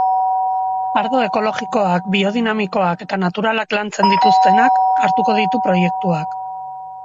Ardo ekologikoak, biodinamikoak eta naturalak lantzen dituztenak hartuko ditu proiektuak.